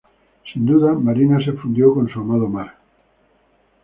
Sin duda, Marina se fundió con su amado mar.